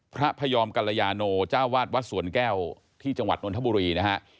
พระพยอมกาลยานูเจ้าวาสวัดสวรแก้วจนธบุรี